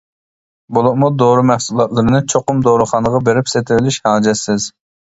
بولۇپمۇ دورا مەھسۇلاتلىرىنى چوقۇم دورىخانىغا بېرىپ سېتىۋېلىش ھاجەتسىز.